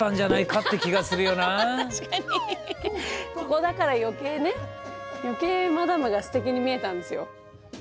ここだから余計ね余計マダムがすてきに見えたんですよ。